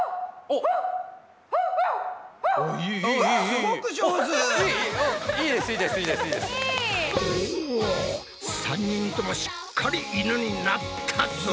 お３人ともしっかりイヌになったぞ！